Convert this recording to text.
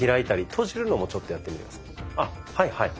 あはいはい。